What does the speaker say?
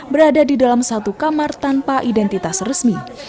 berada di dalam satu kamar tanpa identitas resmi